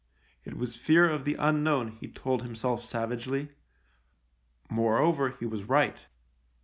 It was fear of the unknown, he told himself savagely ; moreover, he was right.